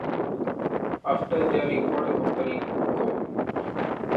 After their record company Go!